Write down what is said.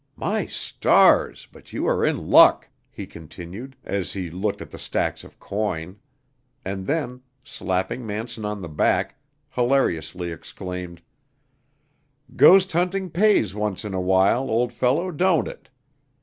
My stars! but you are in luck," he continued, as he looked at the stacks of coin; and then, slapping Manson on the back, hilariously exclaimed: "Ghost hunting pays once in a while, old fellow, don't it?